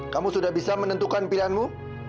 kamu sudah bisa menentukan pilihanmu